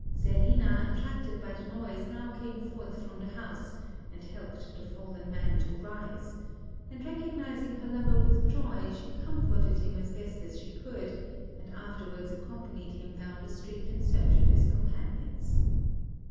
Zerlina, attracted by the noise, now came forth from the house and helped the fallen man to rise; and recognising her lover with joy, she comforted him as best she could and afterwards accompanied him down the street in search of his companions.